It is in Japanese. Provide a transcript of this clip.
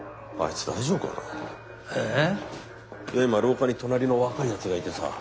いや今廊下に隣の若いやつがいてさ。